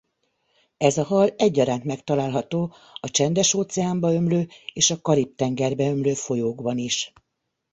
Ez a hal egyaránt megtalálható a Csendes-óceánba ömlő és a Karib-tengerbe ömlő folyókban is.